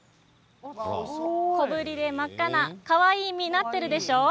小ぶりで真っ赤なかわいい実になっているでしょう。